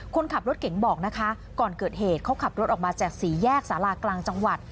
คนขับรถเก่งบอกนะคะก่อนเกิดเหตุเขาขับรถออกมาจากสี่แยกสารากลางจังหวัด